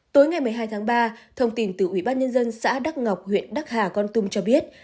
tối ngày một mươi hai tháng ba thông tin từ ubnd xã đắc ngọc huyện đắc hà con tum cho biết